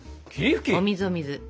お水お水。